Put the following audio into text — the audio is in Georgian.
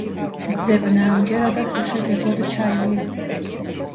ძებნა ამჯერადაც უშედეგოდ ჩაივლის.